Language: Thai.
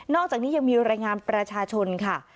อกจากนี้ยังมีรายงานประชาชนค่ะ